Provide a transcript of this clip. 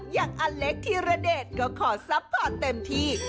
อย่างอเล็กธิระเดชก็ขอซัพพอร์ตเต็มที่